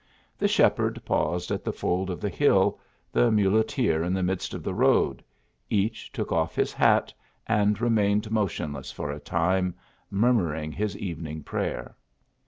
The shepherd paused on the fold of the hill, the muleteer in the midst of the road ; each took off his hat, and remained motionless for a time, murmuring his even ing prayer.